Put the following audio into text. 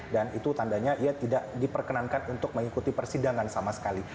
dan itu tandanya ia tidak diperkenankan untuk mengikuti persidangan sama sekali